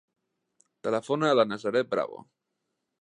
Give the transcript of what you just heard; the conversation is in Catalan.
Telefona a la Nazaret Bravo.